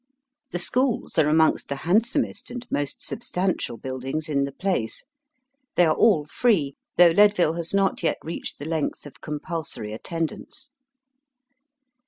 The schools are amongst the handsomest and most substantial buildings in the place. They are all free, though Leadville has not yet reached the length of compulsory attendance.